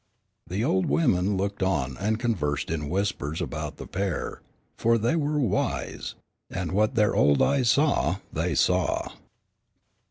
The old women looked on and conversed in whispers about the pair, for they were wise, and what their old eyes saw, they saw.